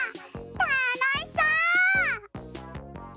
たのしそう！